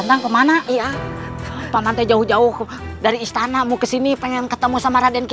roden kemana iya panah jauh jauh dari istanamu ke sini pengen ketemu sama raden